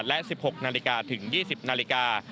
และ๑๖นาฬิกาถึง๒๐นาฬิกา